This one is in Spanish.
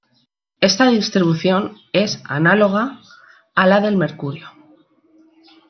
Esta distribución es análoga a la del mercurio.